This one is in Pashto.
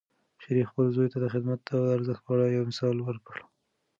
شریف خپل زوی ته د وخت د ارزښت په اړه یو مثال ورکړ.